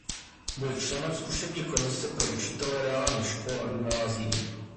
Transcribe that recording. Byl členem zkušební komise pro učitele reálných škol a gymnázií.